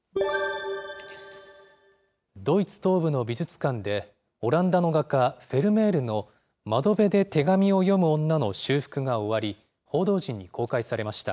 ドイツ東部の美術館で、オランダの画家、フェルメールの窓辺で手紙を読む女の修復が終わり、報道陣に公開されました。